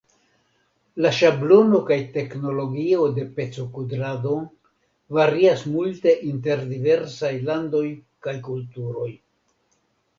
La ŝablono kaj teknologio de pecokudrado varias multe inter diversaj landoj kaj kulturoj.